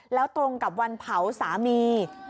แล้วตรงกับวันเผาสามี